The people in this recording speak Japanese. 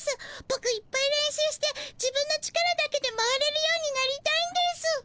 ボクいっぱい練習して自分の力だけで回れるようになりたいんです。